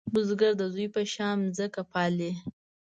بزګر د زوی په شان ځمکه پالې